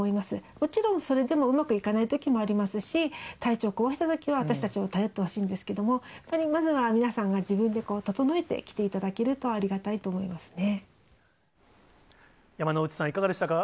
もちろんそれでもうまくいかないときもありますし、体調を壊したときは、私たちを頼ってほしいんですけども、やっぱりまずは皆さんが自分で整えて来ていただけるとありがたい山之内さん、いかがでしたか？